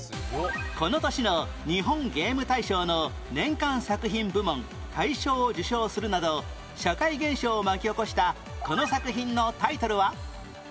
この年の日本ゲーム大賞の年間作品部門大賞を受賞するなど社会現象を巻き起こしたこの作品のタイトルは？